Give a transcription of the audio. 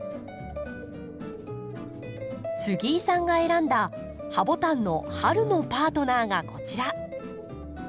杉井さんが選んだハボタンの春のパートナーがこちら。